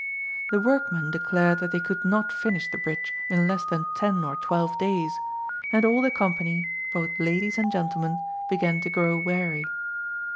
The workmen declared that they could not finish the bridge in less than ten or twelve days, and all the company, both ladies and gentlemen, began to grow weary.